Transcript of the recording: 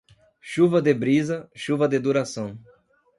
Chuva de brisa, chuva de duração.